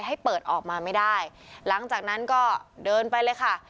ให้เปิดออกมาไม่ได้หลังจากนั้นก็เดินไปเลยค่ะ